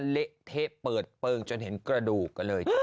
เละเท้เปิดเปิงจนเห็นกระดูก